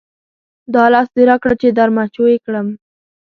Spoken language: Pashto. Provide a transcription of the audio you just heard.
دا لاس دې راکړه چې در مچو یې کړم.